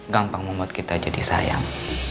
gampang membuat kita jadi sayang